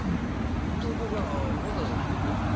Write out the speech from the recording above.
東京からわざわざ来てくれたんか？